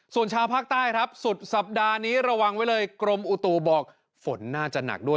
ส่วนชาวภาคใต้ครับสุดสัปดาห์นี้ระวังไว้เลยกรมอุตุบอกฝนน่าจะหนักด้วย